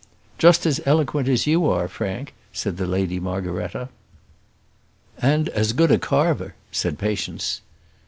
"Just as eloquent as you are, Frank," said the Lady Margaretta. "And as good a carver," said Patience.